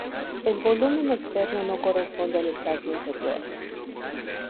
El volumen externo no corresponde al espacio interior.